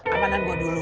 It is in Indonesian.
amanan gue dulu